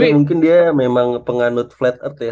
tapi mungkin dia memang penganut flat earth ya